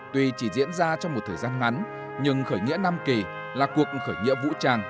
tuy chỉ diễn ra trong một thời gian ngắn nhưng khởi nghĩa nam kỳ là cuộc khởi nghĩa vũ trang